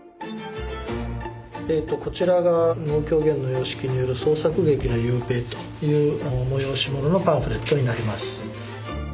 こちらが「能・狂言の様式による創作劇の夕」という催し物のパンフレットになります。